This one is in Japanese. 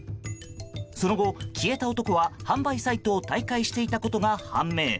その後、消えた男は販売サイトを退会していたことが判明。